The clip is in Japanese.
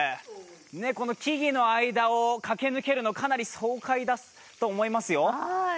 木々の間を駆け抜けるの、かなり爽快だと思いますよ。